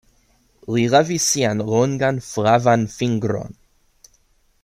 Li levis sian longan flavan fingron.